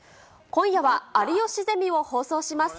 今夜は有吉ゼミを放送します。